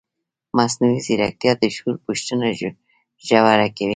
مصنوعي ځیرکتیا د شعور پوښتنه ژوره کوي.